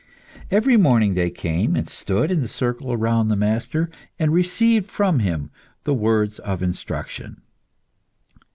Every morning they came and stood in a circle round the master, and received from him the words of instruction.